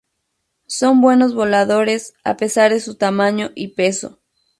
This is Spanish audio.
Son buenos voladores, a pesar de su tamaño y peso.